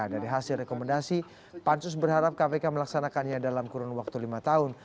dari hasil rekomendasi pansus berharap kpk melaksanakannya dalam kurun waktu lima tahun